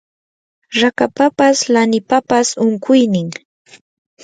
rakapapas lanipapas unquynin